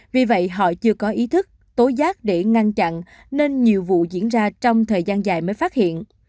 vì vậy họ chưa có ý thức tối giác để ngăn chặn nên nhiều vụ diễn ra trong thời gian dài mới phát hiện